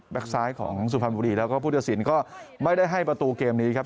ซ้ายของสุพรรณบุรีแล้วก็พุทธศิลป์ก็ไม่ได้ให้ประตูเกมนี้ครับ